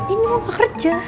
ini gue gak kerja